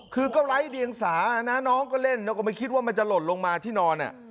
คือก็ไร้เดียงสานะน้องก็เล่นแล้วก็ไม่คิดว่ามันจะหล่นลงมาที่นอน